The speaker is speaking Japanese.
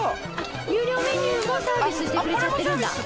有料メニューもサービスしてくれちゃってるんだ。